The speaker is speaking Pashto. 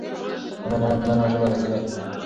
کامل ایمان په نرمه ژبه کې دی.